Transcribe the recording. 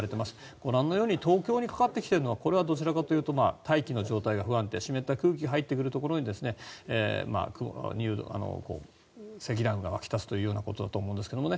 ご覧のように東京にかかってきているのはこれはどちらかというと大気の状態が不安定湿った空気が入ってくるところに積乱雲が湧き立つようなことだと思うんですけどね。